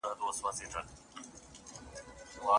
د کوټې ور په زوره بند شو.